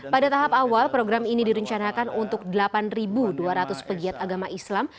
pada tahap awal program ini direncanakan untuk delapan dua ratus pegiat agama islam